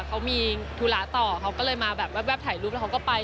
เขามีธุระต่อเขาก็เลยมาแบบแวบถ่ายรูปแล้วเขาก็ไป